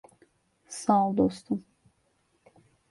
Sağ ol, dostum.